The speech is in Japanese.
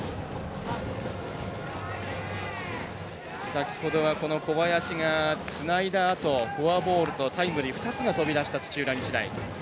先ほどは小林がつないだあとフォアボールとタイムリー２つが飛び出した土浦日大。